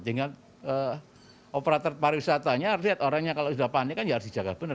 sehingga operator pariwisatanya lihat orangnya kalau sudah panik kan ya harus dijaga benar